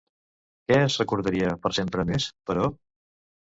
Què es recordaria per sempre més, però?